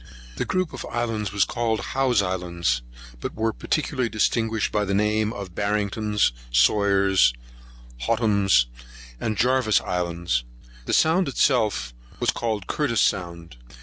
The group of islands was called Howe's Islands, but were particularly distinguished by the names of Barrington's, Sawyer's, Hotham's, and Jarvis's Islands. The sound itself was called Curtis's Sound.